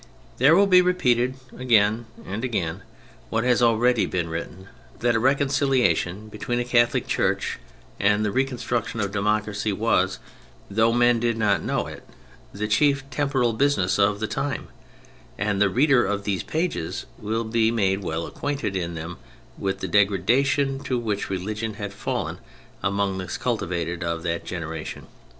There will be repeated again and again what has already been written, that a reconciliation between the Catholic Church and the reconstruction of democracy was, though men did not know it, the chief temporal business of the time, and the reader of these pages will be made well acquainted in them with the degradation to which religion had fallen among the cultivated of that generation.